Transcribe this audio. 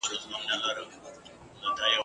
د تور سره او زرغون بیرغ کفن به راته جوړ کې !.